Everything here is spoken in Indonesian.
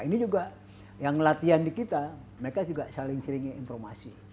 ini juga yang latihan di kita mereka juga saling siringi informasi